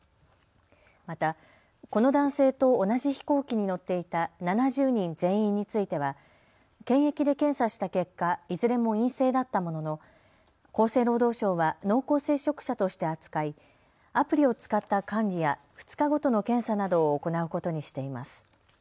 また、この男性と同じ飛行機に乗っていた７０人全員については検疫で検査した結果、いずれも陰性だったものの厚生労働省は濃厚接触者として扱いアプリを使った管理や２日ごとの検査などを行うことにしています。